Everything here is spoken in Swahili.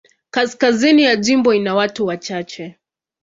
Kaskazini ya jimbo ina watu wachache.